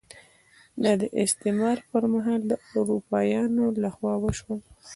دا د استعمار پر مهال د اروپایانو لخوا وشول.